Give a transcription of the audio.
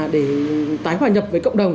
để tái hòa nhập với cộng đồng